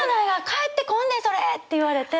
返ってこんでそれ！」って言われて。